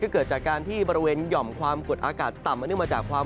เกิดจากการที่บริเวณยอมความกดอากาศต่ำ